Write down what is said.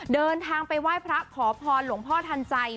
เดินทางไปไหว้พระขอพรหลวงพ่อทันใจ